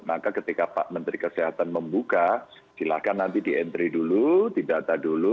maka ketika pak menteri kesehatan membuka silakan nanti di entry dulu didata dulu